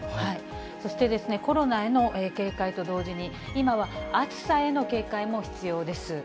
そして、コロナへの警戒と同時に、今は暑さへの警戒も必要です。